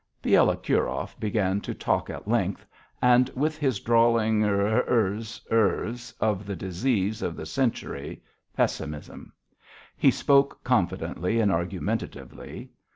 Bielokurov began to talk at length and with his drawling er er ers of the disease of the century pessimism. He spoke confidently and argumentatively.